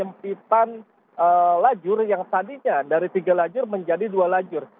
sempitan lajur yang tadinya dari tiga lajur menjadi dua lajur